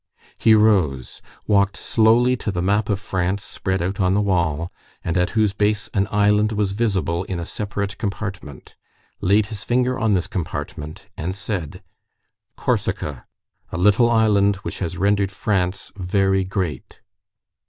He rose, walked slowly to the map of France spread out on the wall, and at whose base an island was visible in a separate compartment, laid his finger on this compartment and said:— "Corsica, a little island which has rendered France very great."